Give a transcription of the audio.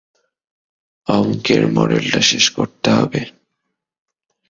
অঙ্কের মডেলটা শেষ করতে হবে।